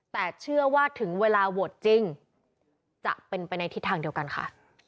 แต่เชื่อว่าถึงเวลาโหวตจริงจะเป็นไปในทิศทางเดียวกันค่ะ